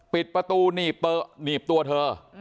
ปิดประตูหนีบตัวเธอ